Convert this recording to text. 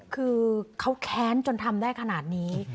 คือเขาแค้นจนทำได้ขนาดนี้